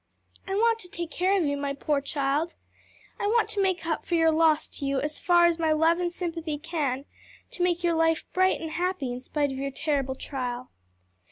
I want to take care of you, my poor child. I want to make up your loss to you as far as my love and sympathy can; to make your life bright and happy in spite of your terrible trial."